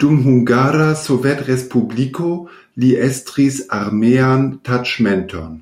Dum Hungara Sovetrespubliko li estris armean taĉmenton.